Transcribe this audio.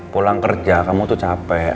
pulang kerja kamu tuh capek